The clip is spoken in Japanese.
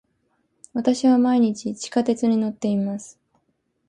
私は毎日地下鉄に乗っています。